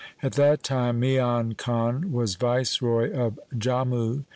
At that time Mian Khan was viceroy of Jammu.